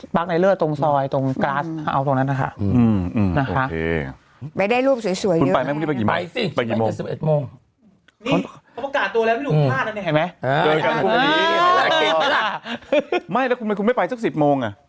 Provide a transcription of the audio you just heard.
ไม่แค่คุณไม่ไปจาก๑๐มวง